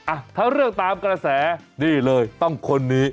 อ่ะถ้าเรื่องตามกระแสนี่เลยต้องคนนี้